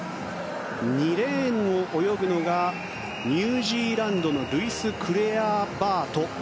２レーンを泳ぐのがニュージーランドのルイス・クレアバート。